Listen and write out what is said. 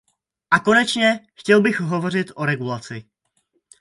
A konečně, chtěl bych hovořit o regulaci.